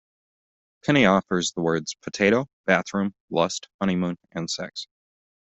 Penny offers the words potato, bathroom, lust, honeymoon, and sex.